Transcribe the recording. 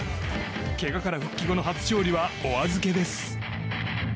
けがから復帰後の初勝利はお預けです。